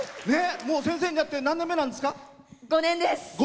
先生になって何年目なんですか？